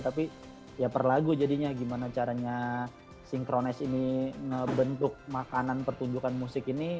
tapi ya per lagu jadinya gimana caranya synchronize ini ngebentuk makanan pertunjukan musik ini